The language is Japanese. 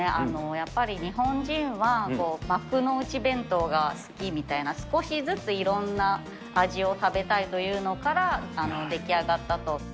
やっぱり日本人は幕の内弁当が好きみたいな、少しずついろんな味を食べたいというのから出来上がったと。